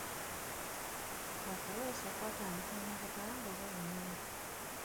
Okuweesa kwatandikira mu Buganda oba Bunyoro?